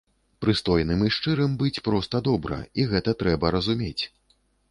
Прыстойным і шчырым быць проста добра і гэта трэба разумець.